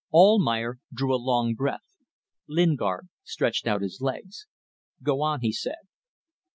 Almayer drew a long breath. Lingard stretched out his legs. "Go on!" he said.